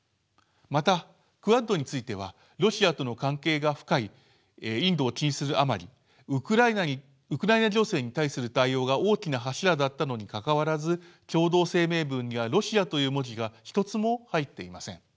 またクアッドについてはロシアとの関係が深いインドを気にするあまりウクライナ情勢に対する対応が大きな柱だったのにかかわらず共同声明文にはロシアという文字が一つも入っていません。